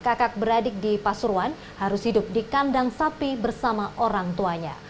kakak beradik di pasuruan harus hidup di kandang sapi bersama orang tuanya